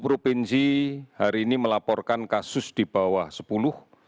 sepuluh provinsi hari ini melaporkan kasus di bawah sepuluh